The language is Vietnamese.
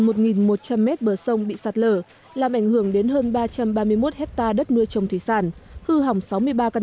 mét bờ sông bị sạt lở làm ảnh hưởng đến hơn ba trăm ba mươi một hectare đất nuôi trồng thủy sản hư hỏng sáu mươi ba căn